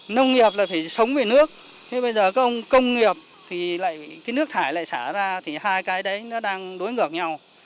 nông nghiệp là phải sống về nước thế bây giờ các ông công nghiệp thì lại cái nước thải lại xả ra thì hai cái đấy nó đang đối ngược nhau